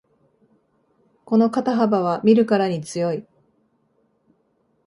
この肩幅は見るからに強い